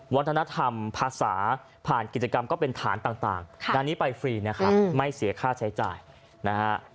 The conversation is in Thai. วัฒนธรรมภาษาผ่านกิจกรรมก็เป็นฐานต่างงานนี้ไปฟรีนะครับไม่เสียค่าใช้จ่ายนะฮะ